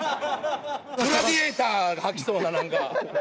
グラディエーターが履きそうななんか。